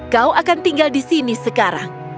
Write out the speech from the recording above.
kau akan tinggal di sini sekarang